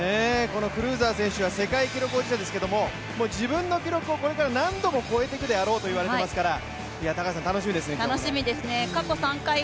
クルーザー選手は世界記録保持者ですけど、自分の記録をここから何度も越えていくであろうと言われていますから、高橋さん、楽しみですね。